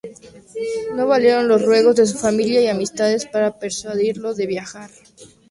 No valieron los ruegos de su familia y amistades para persuadirlo de viajar.